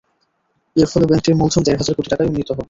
এর ফলে ব্যাংকটির মূলধন দেড় হাজার কোটি টাকায় উন্নীত হবে।